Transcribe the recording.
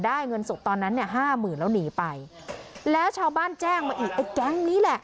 เงินสดตอนนั้นเนี่ยห้าหมื่นแล้วหนีไปแล้วชาวบ้านแจ้งมาอีกไอ้แก๊งนี้แหละ